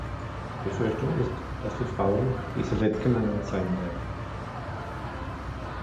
Die Befürchtung ist, dass die Frauen diese Letztgenannten sein werden.